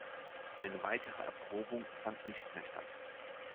Eine weitere Erprobung fand nicht mehr statt.